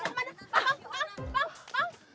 bang abang mau kemana bang